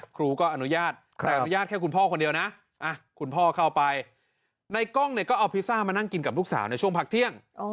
ครูก็อนุญาตแต่อนุญาตแค่คุณพ่อคนเดียวนะคุณพ่อเข้าไปในกล้องเนี่ยก็เอาพิซซ่ามานั่งกินกับลูกสาวในช่วงพักเที่ยง